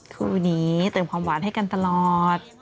คู่นี้เติมความหวานให้กันตลอด